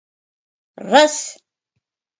— Раз!